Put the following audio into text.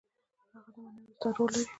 هغه د معنوي استاد رول لري.